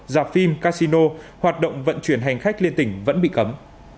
dạp phim casino hoạt động vận chuyển hành khách liên tỉnh vẫn bị cấm